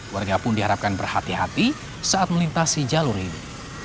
warga pun diharapkan berhati hati saat melintasi jalur ini